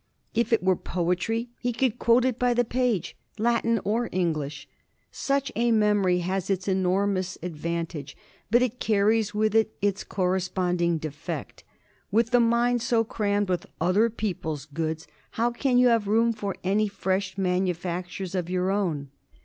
If it were poetry, he could quote it by the page, Latin or English. Such a memory has its enormous advantage, but it carries with it its corresponding defect. With the mind so crammed with other people's goods, how can you have room for any fresh manufactures of your own?